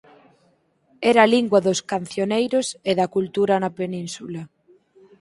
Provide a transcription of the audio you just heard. Era a lingua dos "Cancioneiros" e da cultura na península.